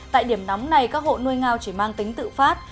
tại điểm nóng này các hộ nuôi ngao chỉ mang tính tự phát